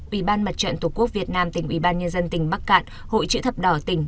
ủy ban mặt trận tổ quốc việt nam tỉnh ủy ban nhân dân tỉnh bắc cạn hội chữ thập đỏ tỉnh